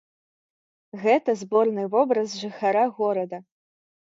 Гэта зборны вобраз жыхара горада.